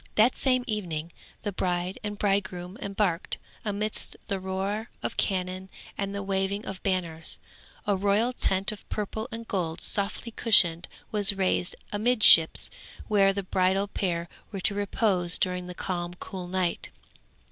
That same evening the bride and bridegroom embarked, amidst the roar of cannon and the waving of banners. A royal tent of purple and gold softly cushioned was raised amidships where the bridal pair were to repose during the calm cool night.